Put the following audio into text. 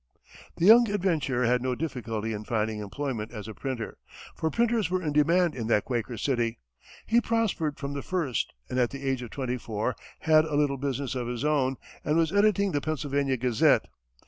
The young adventurer had no difficulty in finding employment as a printer, for printers were in demand in that Quaker city. He prospered from the first, and at the age of twenty four, had a little business of his own, and was editing the Pennsylvania Gazette.